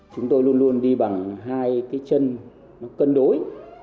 chúng tôi luôn luôn đi bằng hai cái chân nó cân đối